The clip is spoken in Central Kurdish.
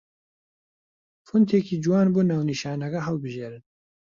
فۆنتێکی جوان بۆ ناونیشانەکە هەڵبژێن